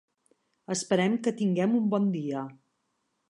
Esperem que tinguem un bon dia.